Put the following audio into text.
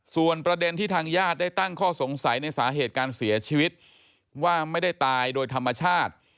ส่วนประเด็นที่ทางญาติได้ตั้งข้อสงสัยในสาเหตุการเสียชีวิตว่าไม่ได้ตายโดยธรรมชาติ